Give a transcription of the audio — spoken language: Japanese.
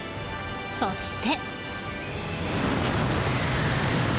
そして。